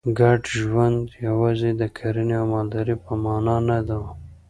ګډ ژوند یوازې د کرنې او مالدارۍ په معنا نه و